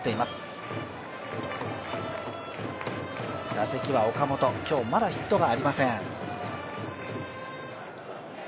打席は岡本、今日、まだヒットがありません。